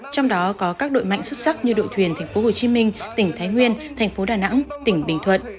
trong đó có các đội mạnh xuất sắc như đội thuyền thành phố hồ chí minh tỉnh thái nguyên thành phố đà nẵng tỉnh bình thuận